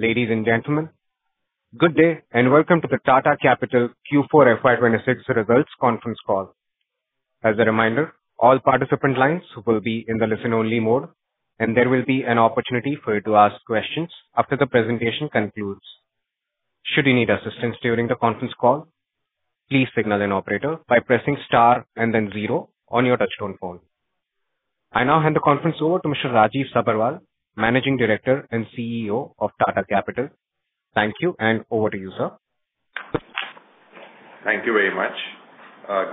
Ladies and gentlemen, good day and welcome to the Tata Capital Q4 FY 2026 results conference call. As a reminder, all participant lines will be in the listen-only mode and there will be an opportunity for you to ask questions after the presentation concludes. Should you need assistance during the conference call, please signal an operator by pressing star and then zero on your touchtone phone. I now hand the conference over to Mr. Rajiv Sabharwal, Managing Director and CEO of Tata Capital. Thank you, and over to you, sir. Thank you very much.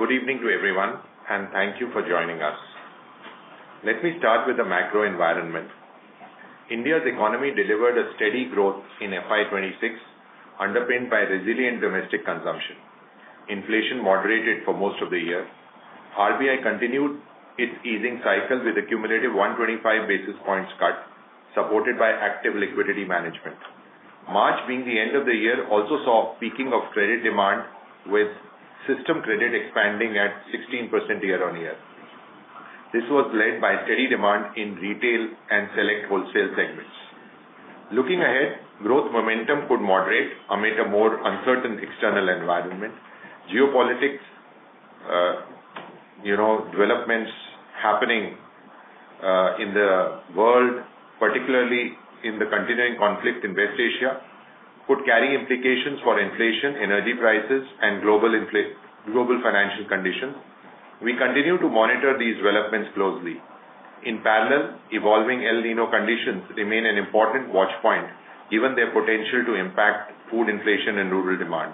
Good evening to everyone, and thank you for joining us. Let me start with the macro environment. India's economy delivered a steady growth in FY 2026, underpinned by resilient domestic consumption. Inflation moderated for most of the year. RBI continued its easing cycle with a cumulative 125 basis points cut, supported by active liquidity management. March, being the end of the year, also saw a peaking of credit demand with system credit expanding at 16% year-over-year. This was led by steady demand in retail and select wholesale segments. Looking ahead, growth momentum could moderate amid a more uncertain external environment. Geopolitics, developments happening in the world, particularly in the continuing conflict in West Asia, could carry implications for inflation, energy prices, and global financial conditions. We continue to monitor these developments closely. In parallel, evolving El Niño conditions remain an important watch point, given their potential to impact food inflation and rural demand.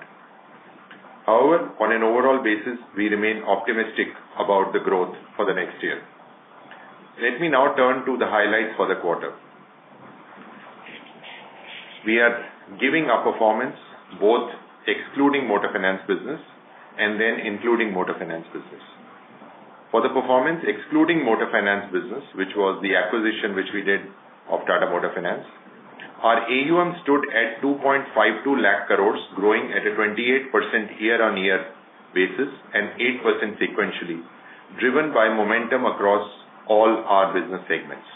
However, on an overall basis, we remain optimistic about the growth for the next year. Let me now turn to the highlights for the quarter. We are giving our performance both excluding motor finance business and then including motor finance business. For the performance excluding motor finance business, which was the acquisition which we did of Tata Motors Finance, our AUM stood at 2.52 lakh crore, growing at a 28% year-on-year basis and 8% sequentially, driven by momentum across all our business segments.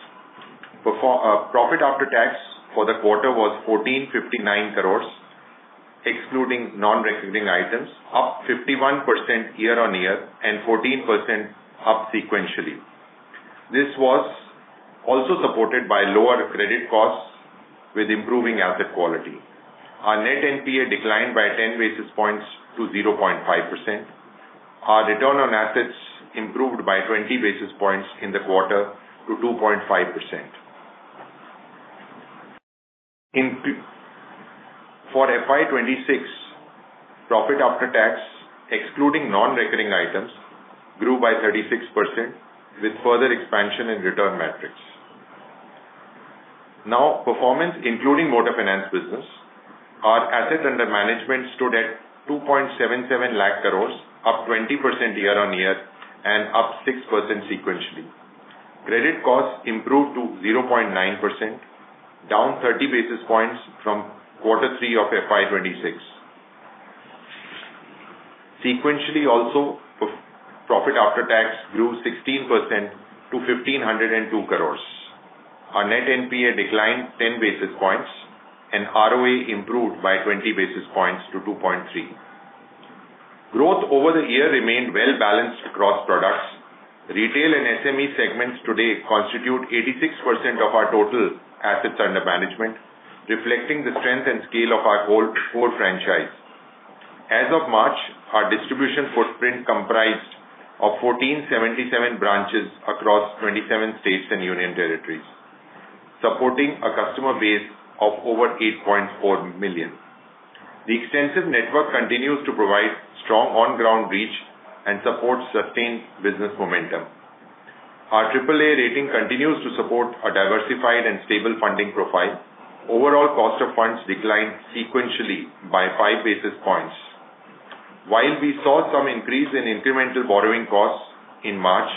Profit after tax for the quarter was 1,459 crore, excluding non-recurring items, up 51% year-on-year and 14% up sequentially. This was also supported by lower credit costs with improving asset quality. Our net NPA declined by 10 basis points to 0.5%. Our return on assets improved by 20 basis points in the quarter to 2.5%. For FY 2026, profit after tax, excluding non-recurring items, grew by 36%, with further expansion in return metrics. Now, performance including motor finance business. Our assets under management stood at 2.77 lakh crore, up 20% year-on-year and up 6% sequentially. Credit costs improved to 0.9%, down 30 basis points from quarter three of FY 2026. Sequentially, also, profit after tax grew 16% to 1,502 crore. Our net NPA declined 10 basis points, and ROE improved by 20 basis points to 2.3%. Growth over the year remained well-balanced across products. Retail and SME segments today constitute 86% of our total assets under management, reflecting the strength and scale of our whole franchise. As of March, our distribution footprint comprised of 1,477 branches across 27 states and union territories, supporting a customer base of over 8.4 million. The extensive network continues to provide strong on-ground reach and supports sustained business momentum. Our AAA rating continues to support a diversified and stable funding profile. Overall cost of funds declined sequentially by 5 basis points. While we saw some increase in incremental borrowing costs in March,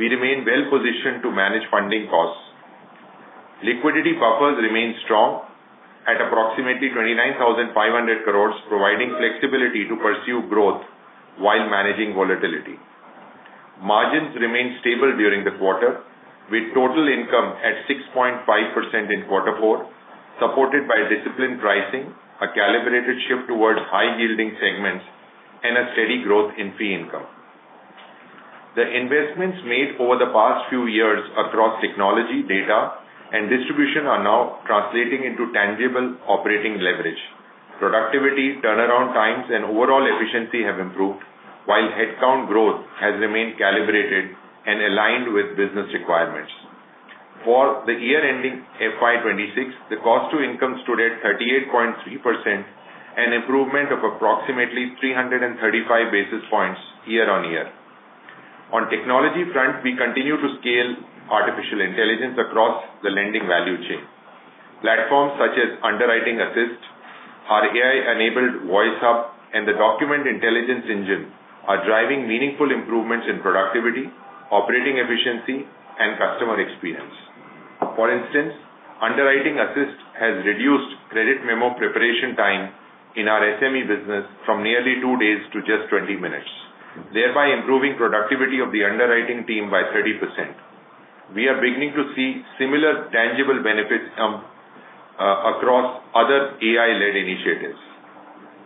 we remain well positioned to manage funding costs. Liquidity buffers remain strong at approximately 29,500 crore providing flexibility to pursue growth while managing volatility. Margins remained stable during the quarter, with total income at 6.5% in quarter four, supported by disciplined pricing, a calibrated shift towards high-yielding segments, and a steady growth in fee income. The investments made over the past few years across technology, data, and distribution are now translating into tangible operating leverage. Productivity, turnaround times, and overall efficiency have improved while headcount growth has remained calibrated and aligned with business requirements. For the year ending FY 2026, the cost to income stood at 38.3%, an improvement of approximately 335 basis points year-on-year. On technology front, we continue to scale artificial intelligence across the lending value chain. Platforms such as Underwriting Assist, our AI-enabled Voice Hub, and the Document Intelligence Engine are driving meaningful improvements in productivity, operating efficiency, and customer experience. For instance, Underwriting Assist has reduced credit memo preparation time in our SME business from nearly two days to just 20 minutes, thereby improving productivity of the underwriting team by 30%. We are beginning to see similar tangible benefits come across other AI-led initiatives.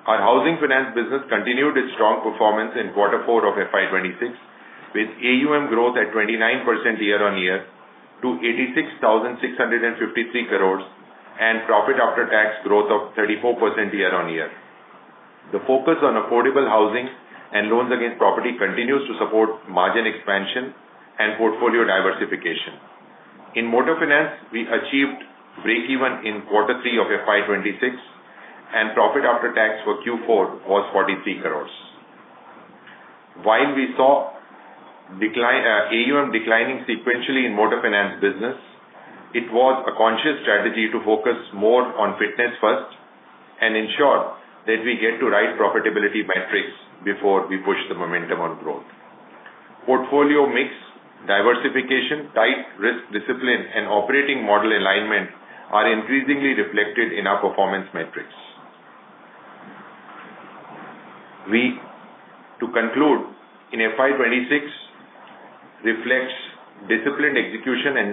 Our housing finance business continued its strong performance in quarter four of FY 2026, with AUM growth at 29% year-on-year to 86,653 crore and profit after tax growth of 34% year-on-year. The focus on affordable housing and loans against property continues to support margin expansion and portfolio diversification. In motor finance, we achieved breakeven in quarter three of FY 2026, and profit after tax for Q4 was 43 crore. While we saw AUM declining sequentially in motor finance business, it was a conscious strategy to focus more on fitness first and ensure that we get to right profitability metrics before we push the momentum on growth. Portfolio mix, diversification, tight risk discipline and operating model alignment are increasingly reflected in our performance metrics. To conclude, FY 2026 reflects disciplined execution and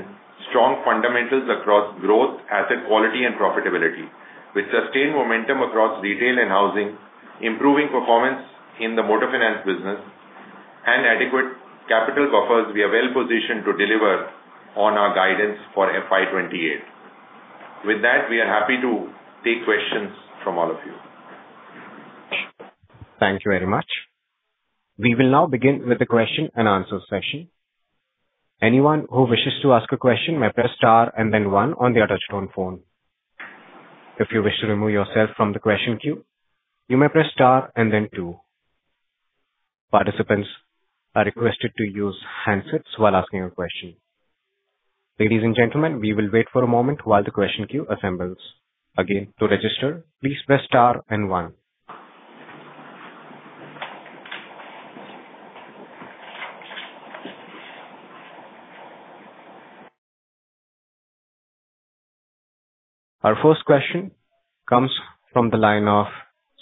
strong fundamentals across growth, asset quality and profitability. With sustained momentum across retail and housing, improving performance in the motor finance business and adequate capital buffers, we are well-positioned to deliver on our guidance for FY 2028. With that, we are happy to take questions from all of you. Thank you very much. We will now begin with the question and answer session. Anyone who wishes to ask a question may press star and then one on their touchtone phone. If you wish to remove yourself from the question queue, you may press star and then two. Participants are requested to use handsets while asking a question. Ladies and gentlemen, we will wait for a moment while the question queue assembles. Again, to register, please press star and one. Our first question comes from the line of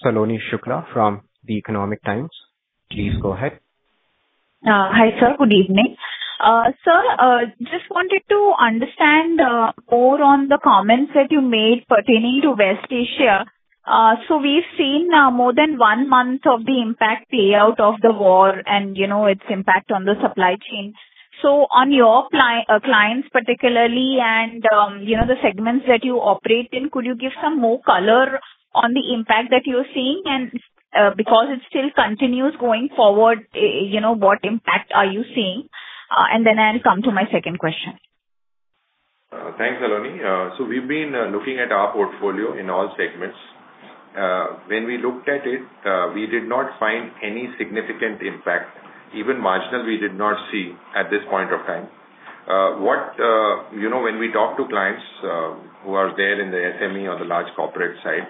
Saloni Shukla from The Economic Times. Please go ahead. Hi, Sir. Good evening. Sir, just wanted to understand more on the comments that you made pertaining to West Asia. We've seen more than one month of the impact play out of the war and its impact on the supply chain. On your clients particularly, and the segments that you operate in, could you give some more color on the impact that you're seeing? Because it still continues going forward, what impact are you seeing? I'll come to my second question. Thanks, Saloni. We've been looking at our portfolio in all segments. When we looked at it, we did not find any significant impact. Even marginal, we did not see at this point of time. When we talk to clients who are there in the SME or the large corporate side,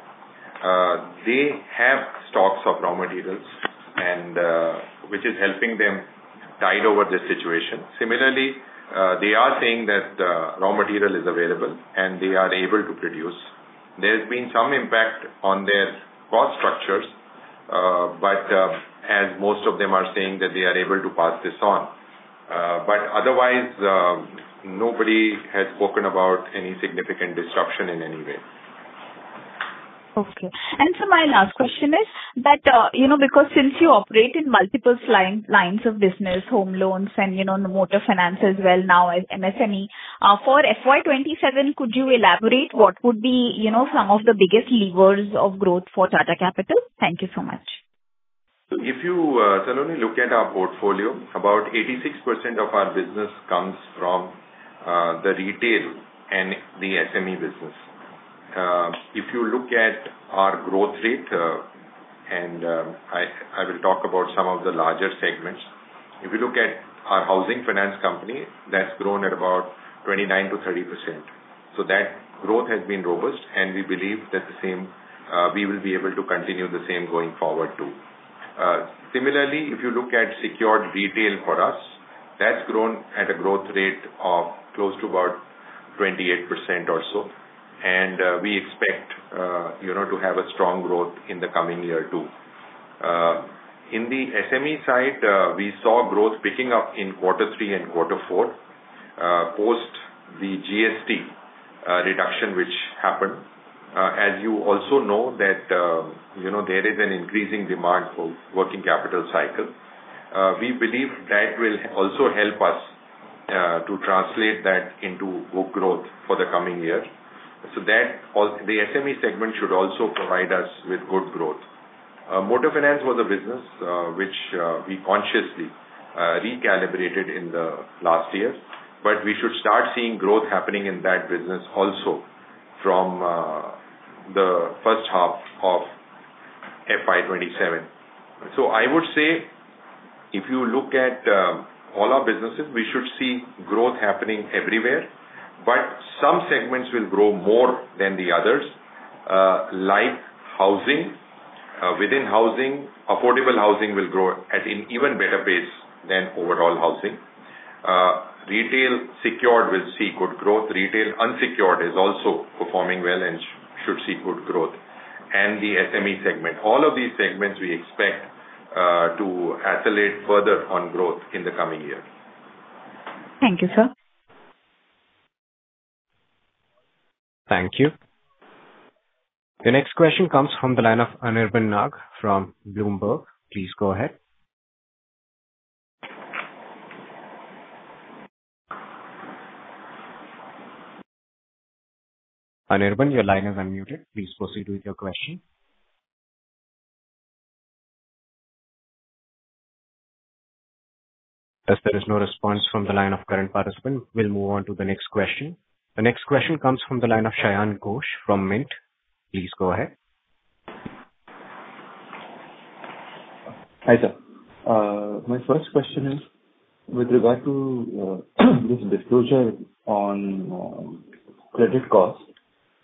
they have stocks of raw materials, which is helping them tide over this situation. Similarly, they are saying that raw material is available, and they are able to produce. There's been some impact on their cost structures, but as most of them are saying that they are able to pass this on. Otherwise, nobody has spoken about any significant disruption in any way. Okay. sir, my last question is that, because since you operate in multiple lines of business, home loans and motor finance as well now as MSME. For FY 2027, could you elaborate what would be some of the biggest levers of growth for Tata Capital? Thank you so much. If you, Saloni, look at our portfolio, about 86% of our business comes from the retail and the SME business. If you look at our growth rate, and I will talk about some of the larger segments. If you look at our housing finance company, that's grown at about 29%-30%. That growth has been robust, and we believe that we will be able to continue the same going forward, too. Similarly, if you look at secured retail for us, that's grown at a growth rate of close to about 28% or so. We expect to have a strong growth in the coming year, too. In the SME side, we saw growth picking up in quarter three and quarter four, post the GST reduction, which happened. As you also know, there is an increasing demand for working capital cycle. We believe that will also help us to translate that into good growth for the coming year. The SME segment should also provide us with good growth. Motor finance was a business which we consciously recalibrated in the last year, but we should start seeing growth happening in that business also from the first half of FY 2027. I would say if you look at all our businesses, we should see growth happening everywhere, but some segments will grow more than the others. Like housing. Within housing, affordable housing will grow at an even better pace than overall housing. Retail secured will see good growth. Retail unsecured is also performing well and should see good growth. The SME segment. All of these segments we expect to accelerate further on growth in the coming year. Thank you, sir. Thank you. The next question comes from the line of Anirban Nag from Bloomberg. Please go ahead. Anirban, your line is unmuted. Please proceed with your question. As there is no response from the line of current participant, we'll move on to the next question. The next question comes from the line of Shayan Ghosh from Mint. Please go ahead. Hi, sir. My first question is with regard to this disclosure on credit cost,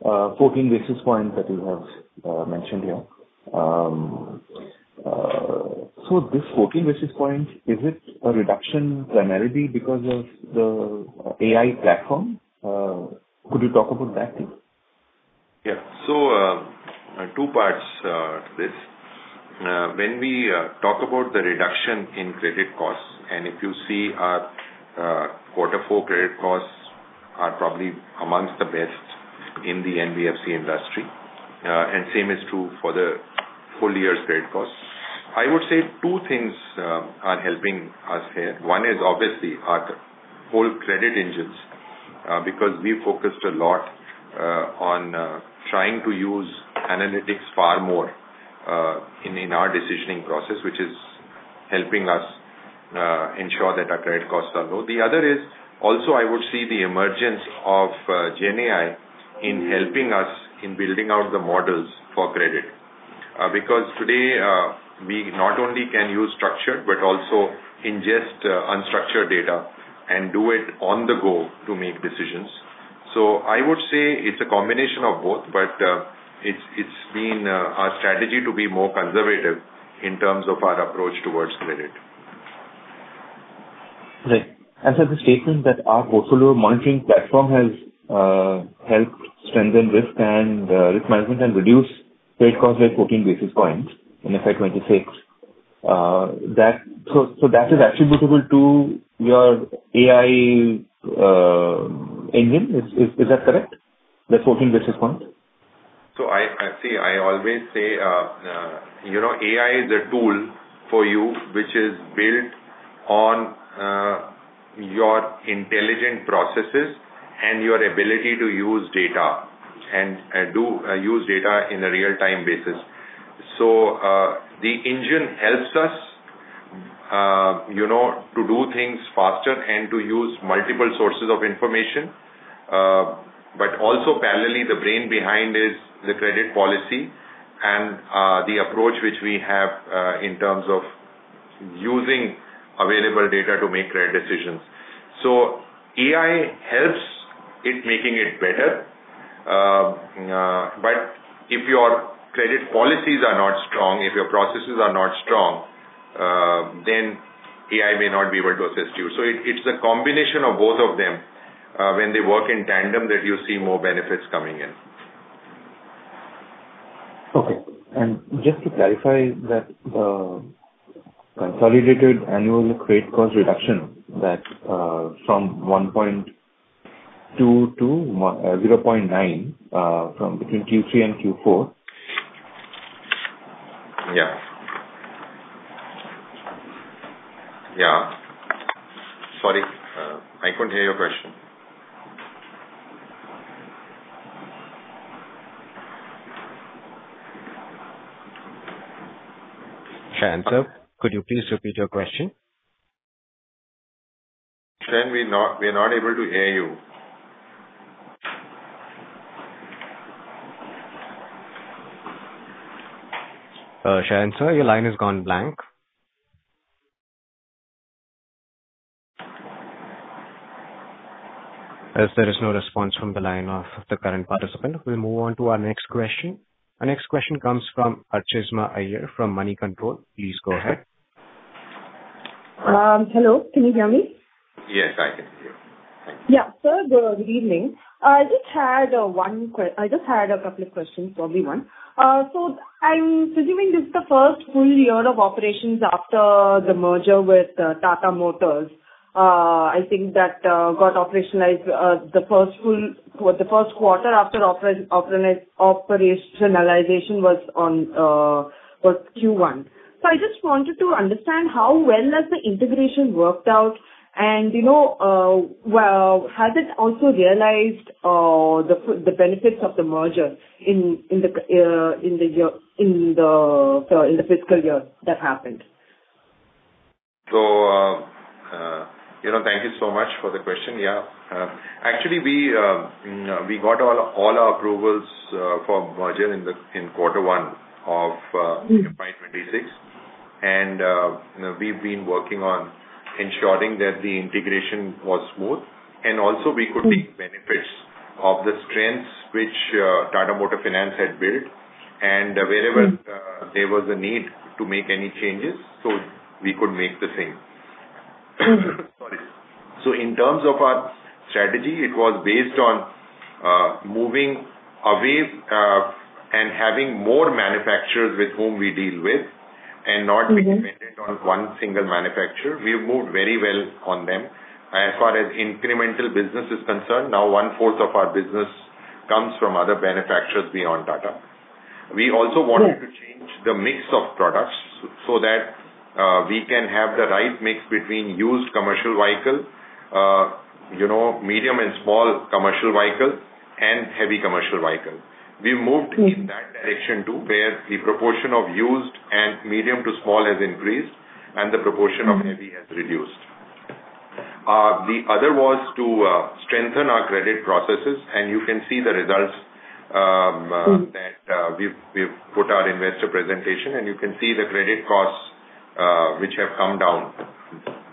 14 basis points that you have mentioned here. This 14 basis points, is it a reduction primarily because of the AI platform? Could you talk about that please? Yeah. Two parts to this. When we talk about the reduction in credit costs, and if you see our quarter four credit costs are probably amongst the best in the NBFC industry. Same is true for the full year's credit costs. I would say two things are helping us here. One is obviously our whole credit engines, because we focused a lot on trying to use analytics far more in our decisioning process, which is helping us ensure that our credit costs are low. The other is also, I would say, the emergence of GenAI in helping us in building out the models for credit. Because today, we not only can use structured, but also ingest unstructured data and do it on the go to make decisions. I would say it's a combination of both, but it's been our strategy to be more conservative in terms of our approach toward credit. Right. The statement that our Portfolio monitoring platform has helped strengthen risk management and reduce credit costs by 14 basis points in FY 2026. That is attributable to your AI engine, is that correct? The 14 basis points. I always say, AI is a tool for you, which is built on your intelligent processes and your ability to use data and use data in a real time basis. The engine helps us to do things faster and to use multiple sources of information. Also parallelly, the brain behind is the credit policy and the approach which we have in terms of using available data to make credit decisions. AI helps in making it better. If your credit policies are not strong, if your processes are not strong, then AI may not be able to assist you. It's a combination of both of them, when they work in tandem that you see more benefits coming in. Just to clarify that consolidated annual credit cost reduction from 1.2% to 0.9%, from between Q3 and Q4. Yeah. Sorry, I couldn't hear your question. Shayan, sir. Could you please repeat your question? Shayan, we're not able to hear you. Shayan, sir, your line has gone blank. As there is no response from the line of the current participant, we'll move on to our next question. Our next question comes from Archishma Iyer from Moneycontrol. Please go ahead. Hello, can you hear me? Yes, I can hear you. Yeah, sir, good evening. I just had a couple of questions, probably one. I'm assuming this is the first full year of operations after the merger with Tata Motors. I think that got operationalized, the first quarter after operationalization was Q1. I just wanted to understand how well has the integration worked out and has it also realized the benefits of the merger in the fiscal year that happened? Thank you so much for the question. Yeah. Actually, we got all our approvals for merger in quarter one of- Mm. FY 2026 and we've been working on ensuring that the integration was smooth and also we could take benefits of the strengths which Tata Motors Finance had built and wherever there was a need to make any changes, so we could make the same. Sorry. In terms of our strategy, it was based on moving away and having more manufacturers with whom we deal with and not- Mm-hmm being dependent on one single manufacturer. We've moved very well on them. As far as incremental business is concerned, now 1/4 of our business comes from other manufacturers beyond Tata. We also wanted Mm to change the mix of products so that we can have the right mix between used commercial vehicle, medium and small commercial vehicle and heavy commercial vehicle. Mm in that direction too, where the proportion of used and medium to small has increased and the proportion of heavy has reduced. The other was to strengthen our credit processes, and you can see the results. Mm That we've put our investor presentation, and you can see the credit costs which have come down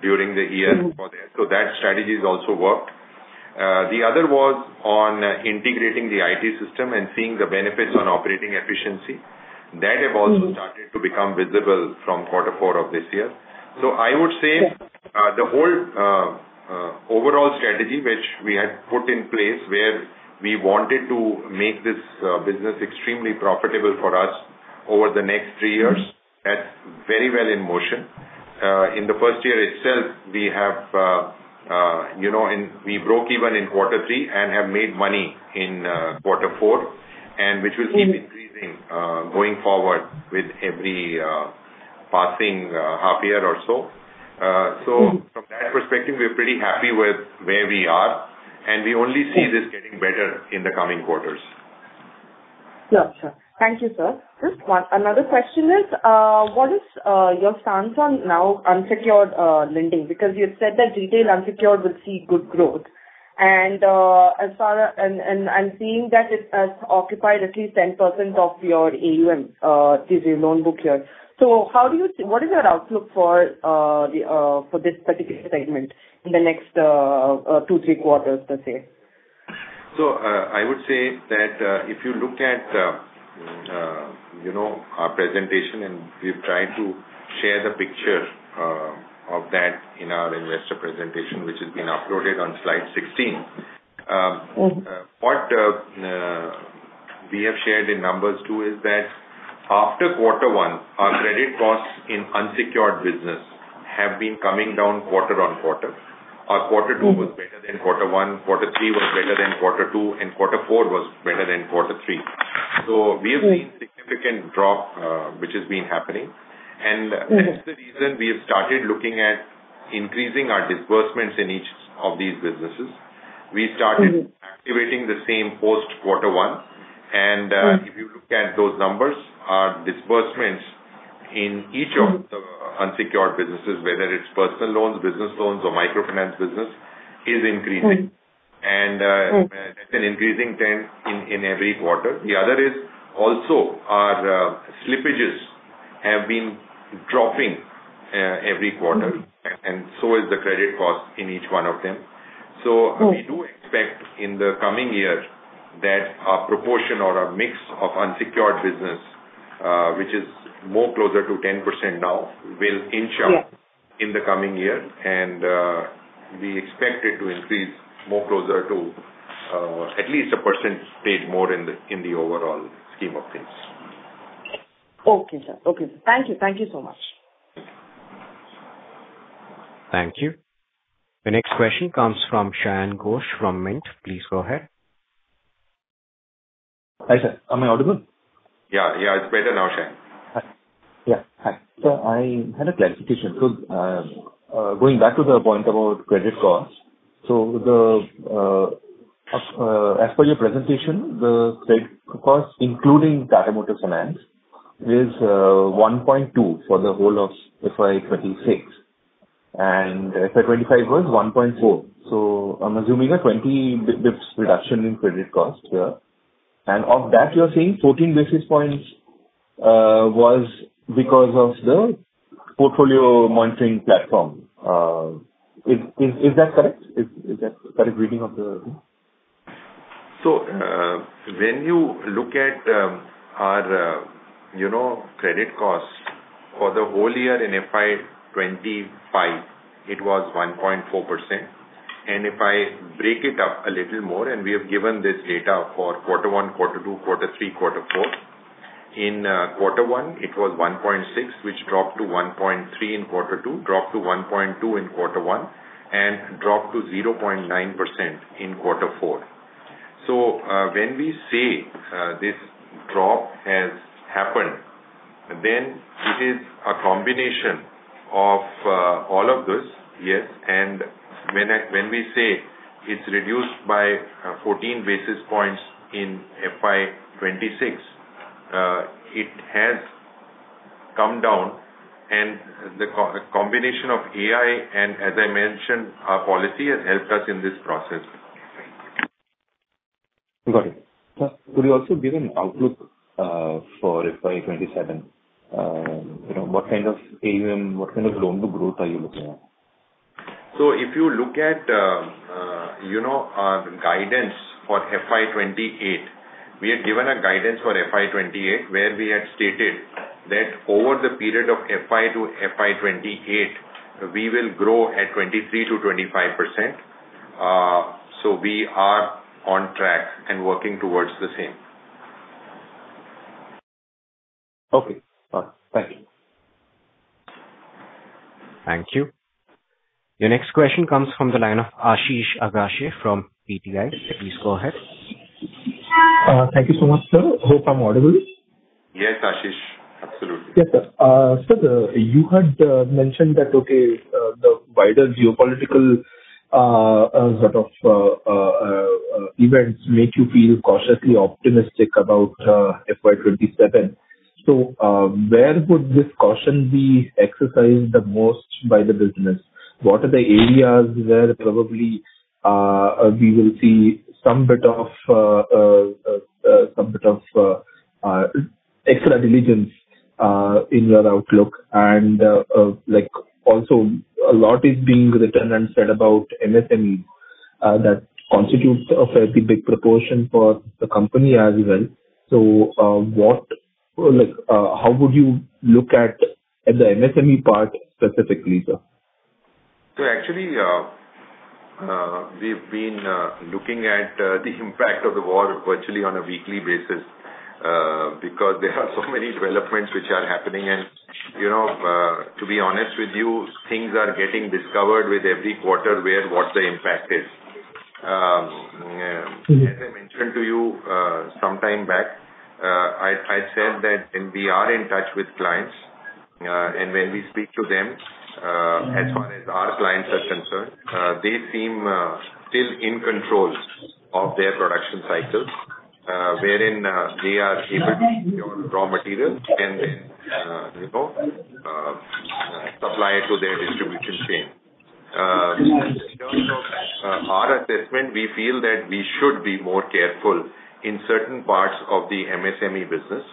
during the year for that. Mm. that strategy has also worked. The other was on integrating the IT system and seeing the benefits on operating efficiency. That have also Mm started to become visible from quarter four of this year. I would say. Yes the whole overall strategy which we had put in place, where we wanted to make this business extremely profitable for us over the next three years, that's very well in motion. In the first year itself, we broke even in quarter three and have made money in quarter four, and which will keep Mm increasing going forward with every passing half year or so. Mm. From that perspective, we're pretty happy with where we are, and we only see this getting better in the coming quarters. Yeah, sure. Thank you, sir. Just one, another question is, what is your stance on now unsecured lending? Because you've said that retail unsecured will see good growth, and I'm seeing that it has occupied at least 10% of your AUM, this loan book here. What is your outlook for this particular segment in the next two to three quarters, let's say? I would say that if you look at our presentation, and we've tried to share the picture of that in our investor presentation, which has been uploaded on slide 16. Mm. What we have shared in numbers too is that after quarter one, our credit costs in unsecured business have been coming down quarter-on-quarter. Our quarter two was better than quarter one, quarter three was better than quarter two, and quarter four was better than quarter three. Mm. We have seen a significant drop which has been happening, and that is the reason we have started looking at increasing our disbursements in each of these businesses. Mm. We started activating the same post quarter one, and if you look at those numbers, our disbursements in each of the unsecured businesses, whether it's personal loans, business loans, or microfinance business, is increasing. Mm. That's an increasing trend in every quarter. The other is also our slippages have been dropping every quarter. Mm. is the credit cost in each one of them. Mm. We do expect in the coming year that our proportion or our mix of unsecured business, which is more closer to 10% now, will inch up. Yeah in the coming year, and we expect it to increase more closer to at least a percentage more in the overall scheme of things. Okay, sir. Thank you so much. Thank you. The next question comes from Shayan Ghosh from Mint. Please go ahead. Hi, sir. Am I audible? Yeah, it's better now, Shayan. Yeah. Hi. I had a clarification. Going back to the point about credit costs. As per your presentation, the credit cost, including Tata Motors Finance, is 1.2% for the whole of FY 2026, and FY 2025 was 1.4%. I'm assuming a 20 basis points reduction in credit cost. Yeah. Of that, you're saying 14 basis points was because of the Portfolio monitoring platform. Is that correct? Is that correct reading of the... When you look at our credit cost for the whole year in FY 2025, it was 1.4%. If I break it up a little more, and we have given this data for quarter one, quarter two, quarter three, quarter four. In quarter one, it was 1.6%, which dropped to 1.3% in quarter two, dropped to 1.2% in quarter three, and dropped to 0.9% in quarter four. When we say this drop has happened, then it is a combination of all of this. Yes. When we say it's reduced by 14 basis points in FY 2026, it has come down and the combination of AI and as I mentioned, our policy has helped us in this process. Got it. Sir, could you also give an outlook for FY 2027? What kind of AUM, what kind of loan book growth are you looking at? If you look at our guidance for FY 2028. We had given a guidance for FY 2028 where we had stated that over the period of FY to FY 2028, we will grow at 23%-25%. We are on track and working towards the same. Okay. Thank you. Thank you. Your next question comes from the line of Ashish Agashe from PTI. Please go ahead. Thank you so much, sir. Hope I'm audible. Yes, Ashish. Absolutely. Yes, sir. Sir, you had mentioned that, okay, the wider geopolitical sort of events make you feel cautiously optimistic about FY 2027. Where would this caution be exercised the most by the business? What are the areas where probably we will see some bit of extra diligence in your outlook, and also a lot is being written and said about MSME that constitutes a fairly big proportion for the company as well. How would you look at the MSME part specifically, sir? Actually, we've been looking at the impact of the war virtually on a weekly basis, because there are so many developments which are happening and to be honest with you, things are getting discovered with every quarter where what the impact is. As I mentioned to you, sometime back, I said that we are in touch with clients, and when we speak to them, as far as our clients are concerned, they seem still in control of their production cycles, wherein they are able to procure raw materials and supply it to their distribution chain. In terms of our assessment, we feel that we should be more careful in certain parts of the MSME business.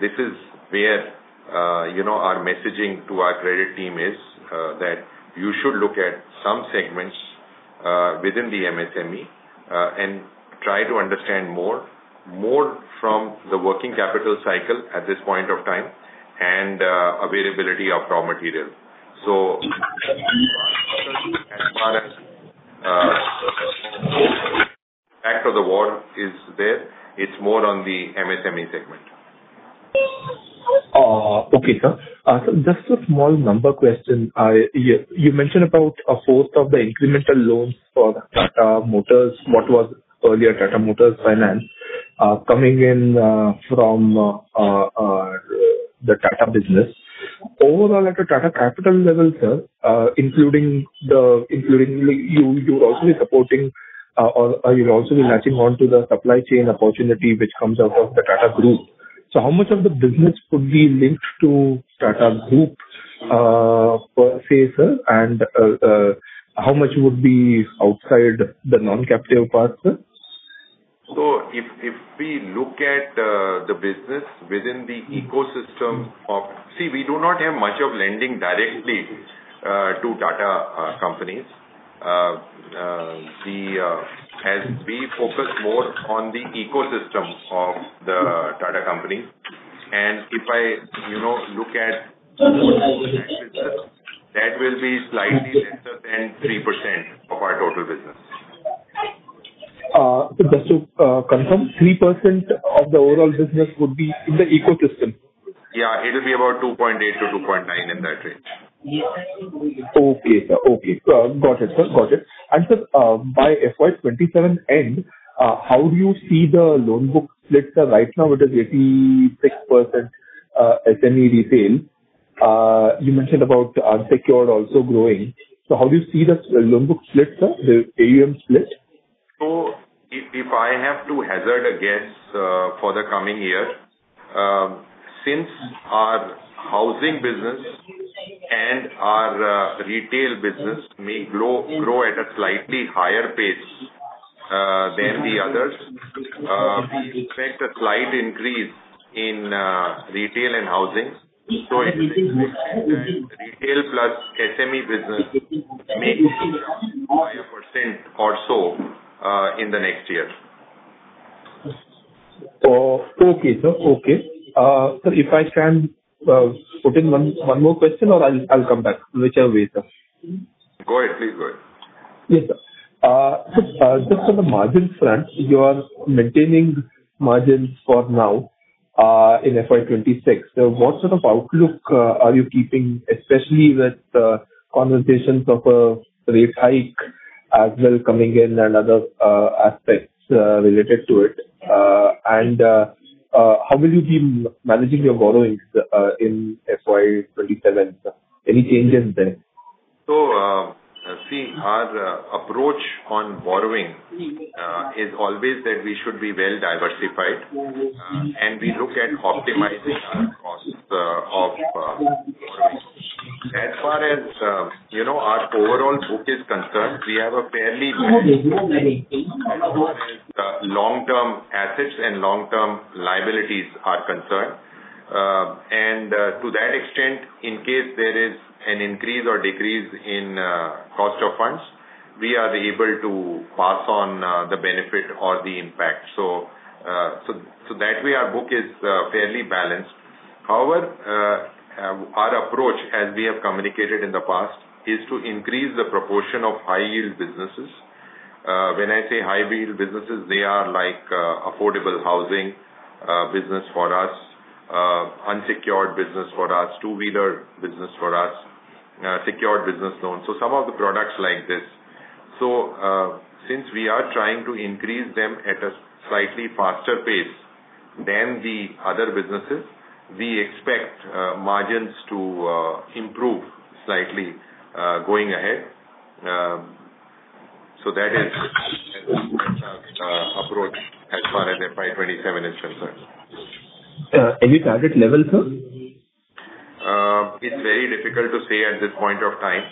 This is where our messaging to our credit team is that you should look at some segments within the MSME, and try to understand more from the working capital cycle at this point of time and availability of raw material. As far as impact of the war is there, it's more on the MSME segment. Okay, sir. Just a small number question. You mentioned about a fourth of the incremental loans for Tata Motors, what was earlier Tata Motors Finance, coming in from the Tata business. Overall at a Tata Capital level, sir, including you also supporting or you'll also be latching onto the supply chain opportunity which comes out of the Tata Group. How much of the business could be linked to Tata Group per se, sir? And how much would be outside the non-captive part, sir? If we look at the business within the ecosystem of the Tata company, we do not have much of lending directly to Tata companies. As we focus more on the ecosystem of the Tata company, and if I look at that will be slightly lesser than 3% of our total business. Just to confirm, 3% of the overall business would be in the ecosystem. Yeah, it'll be about 2.8%-2.9%, in that range. Okay, sir. Got it. Sir, by FY 2027 end, how do you see the loan book split, sir? Right now it is 86% SME retail. You mentioned about unsecured also growing. How do you see the loan book split, sir? The AUM split. If I have to hazard a guess for the coming year, since our housing business and our retail business may grow at a slightly higher pace than the others, we expect a slight increase in retail and housing. Retail plus SME business may be around 5% or so in the next year. Okay, sir. If I can put in one more question or I'll come back. Whichever way, sir. Go ahead. Please go ahead. Yes, sir. Just on the margin front, you are maintaining margins for now, in FY 2026. What sort of outlook are you keeping, especially with conversations of a rate hike as well coming in and other aspects related to it? How will you be managing your borrowings in FY 2027, sir? Any changes there? See, our approach on borrowing is always that we should be well-diversified, and we look at optimizing our costs of borrowings. As far as our overall book is concerned, as far as long-term assets and long-term liabilities are concerned. To that extent, in case there is an increase or decrease in cost of funds, we are able to pass on the benefit or the impact. That way, our book is fairly balanced. However, our approach, as we have communicated in the past, is to increase the proportion of high-yield businesses. When I say high-yield businesses, they are like affordable housing business for us, unsecured business for us, two-wheeler business for us, secured business loans. Some of the products like this. Since we are trying to increase them at a slightly faster pace than the other businesses, we expect margins to improve slightly, going ahead. That is our approach as far as FY 2027 is concerned. Any target level, sir? It's very difficult to say at this point of time,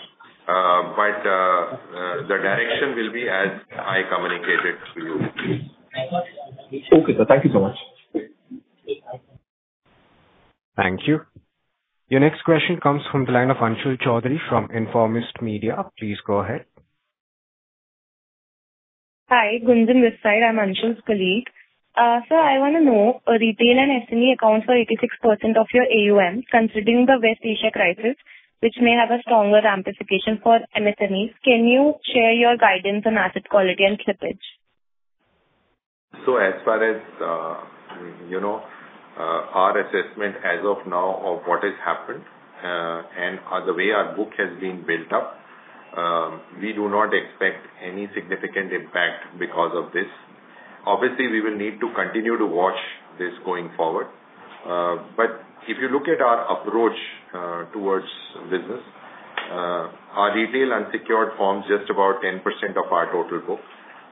but the direction will be as I communicated to you. Okay, sir. Thank you so much. Thank you. Your next question comes from the line of Anshul Choudhary from Informist Media. Please go ahead. Hi, Gunjan, this side. I'm Anshul's colleague. Sir, I want to know, retail and SME accounts for 86% of your AUM. Considering the West Asia crisis, which may have a stronger amplification for MSMEs, can you share your guidance on asset quality and slippage? As far as our assessment as of now of what has happened, and the way our book has been built up, we do not expect any significant impact because of this. Obviously, we will need to continue to watch this going forward. If you look at our approach towards business, our retail unsecured forms just about 10% of our total book.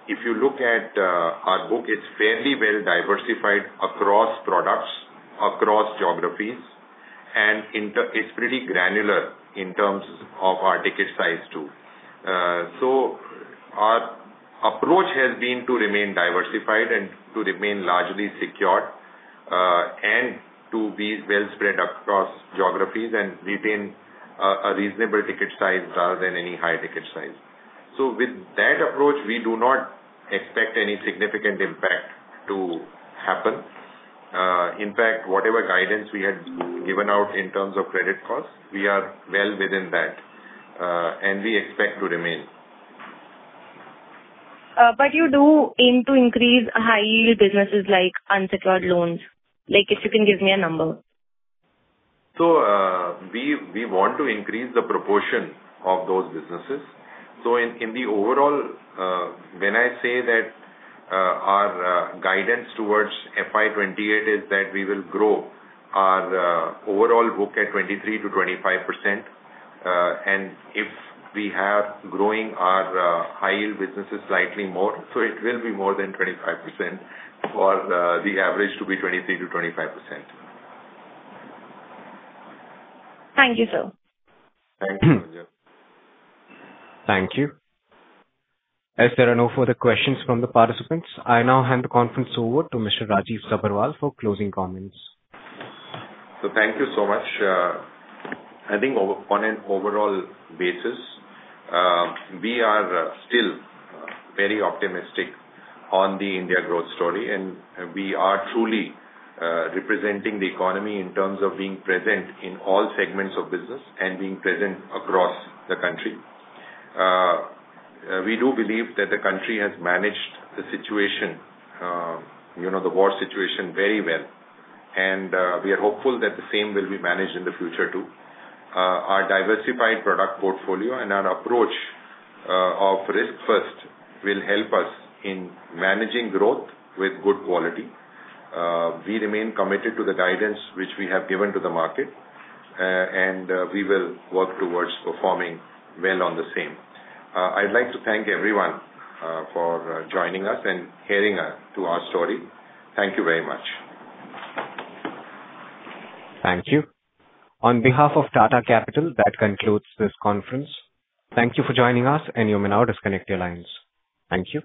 If you look at our book, it's fairly well-diversified across products, across geographies, and it's pretty granular in terms of our ticket size too. Our approach has been to remain diversified and to remain largely secured, and to be well spread across geographies and retain a reasonable ticket size rather than any high-ticket size. With that approach, we do not expect any significant impact to happen. In fact, whatever guidance we had given out in terms of credit costs, we are well within that, and we expect to remain. You do aim to increase high-yield businesses like unsecured loans. If you can give me a number. We want to increase the proportion of those businesses. In the overall, when I say that our guidance towards FY 2028 is that we will grow our overall book at 23%-25%, and if we have growing our high-yield businesses slightly more, so it will be more than 25% for the average to be 23%-25%. Thank you, sir. Thank you. Thank you. As there are no further questions from the participants, I now hand the conference over to Mr. Rajiv Sabharwal for closing comments. Thank you so much. I think on an overall basis, we are still very optimistic on the India growth story, and we are truly representing the economy in terms of being present in all segments of business and being present across the country. We do believe that the country has managed the war situation very well, and we are hopeful that the same will be managed in the future too. Our diversified product portfolio and our approach of risk first will help us in managing growth with good quality. We remain committed to the guidance which we have given to the market, and we will work towards performing well on the same. I'd like to thank everyone for joining us and listening to our story. Thank you very much. Thank you. On behalf of Tata Capital, that concludes this conference. Thank you for joining us and you may now disconnect your lines. Thank you.